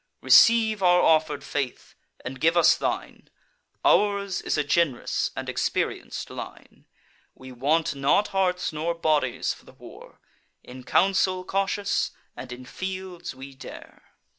Receive our offer'd faith, and give us thine; Ours is a gen'rous and experienc'd line: We want not hearts nor bodies for the war; In council cautious, and in fields we dare."